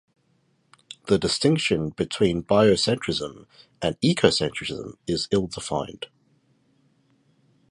The distinction between biocentrism and ecocentrism is ill-defined.